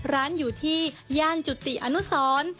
ร้านอยู่ที่ย่านจุติอนุสร